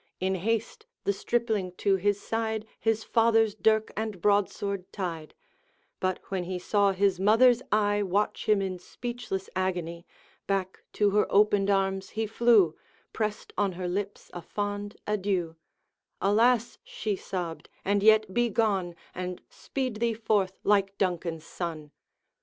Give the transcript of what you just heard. In haste the stripling to his side His father's dirk and broadsword tied; But when he saw his mother's eye Watch him in speechless agony, Back to her opened arms he flew Pressed on her lips a fond adieu, 'Alas' she sobbed, 'and yet be gone, And speed thee forth, like Duncan's son!'